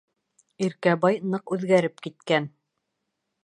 Иркәбай ныҡ үҙгәреп киткән.